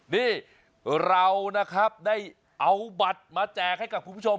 นี่เรานะครับได้เอาบัตรมาแจกให้กับคุณผู้ชม